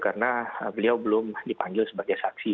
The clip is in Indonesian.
karena beliau belum dipanggil sebagai saksi